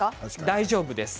大丈夫です。